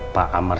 pak amar sendiri